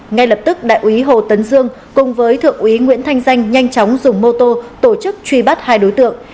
ngay lập tức đại úy hồ tấn dương cùng với thượng úy nguyễn thanh danh nhanh chóng dùng mô tô tổ chức truy bắt hai đối tượng